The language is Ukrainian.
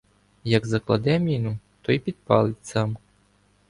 Як закладе міну, то й підпалить сам.